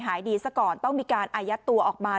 หายดีซะก่อนต้องมีการอายัดตัวออกมา